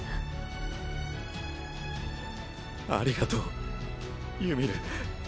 ありがとうユミル。